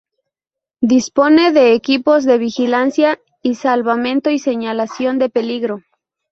Dispone de equipos de vigilancia y salvamento y señalización de peligro.